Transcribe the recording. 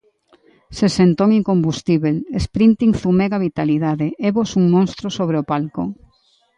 Sesentón incombustíbel, Sprinsgteen zumega vitalidade, évos un monstro sobre o palco.